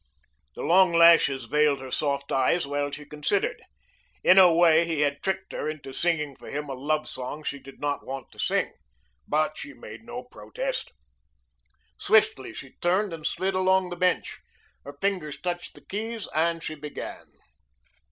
'" The long lashes veiled her soft eyes while she considered. In a way he had tricked her into singing for him a love song she did not want to sing. But she made no protest. Swiftly she turned and slid along the bench. Her fingers touched the keys and she began.